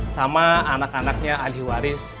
sama anak anaknya ahli waris